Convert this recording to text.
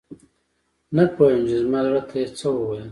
نه پوهیږم چې زما زړه ته یې څه وویل؟